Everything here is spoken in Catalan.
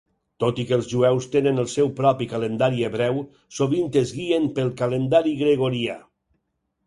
Tot i que els jueus tenen el seu propi calendari hebreu, sovint es guien pel calendari gregorià.